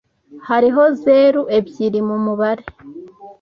Hariho zeru ebyiri mu mubare